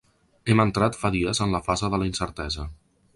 Hem entrat fa dies en la fase de la incertesa.